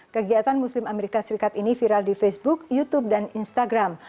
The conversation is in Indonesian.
kegiatan muslim amerika serikat ini viral di facebook youtube dan instagram